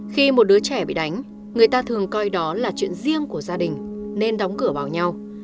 khi một đứa trẻ bị đánh người ta thường coi đó là chuyện riêng của gia đình nên đóng cửa vào nhau